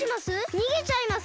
にげちゃいます？